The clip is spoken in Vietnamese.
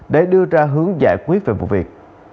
để đưa ra hướng giải quyết về vụ việc